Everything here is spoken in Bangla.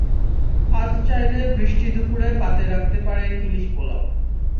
আজ চাইলে বৃষ্টি দুপুরে পাতে রাখতে পারেন ইলিশ পোলাও।